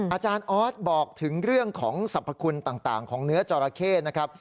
อาจารย์ออสบอกถึงเรื่องของสรรพคุณต่างของเนื้อจอราเข้นะครับ